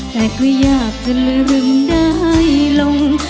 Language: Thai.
แต่ก็อยากจะลืมได้ลง